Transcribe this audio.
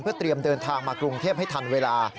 เตรียมเดินทางมากรุงเทพให้ทันเวลา